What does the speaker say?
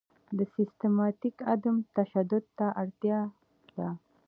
سیستماتیک عدم تشدد ته اړتیا ده.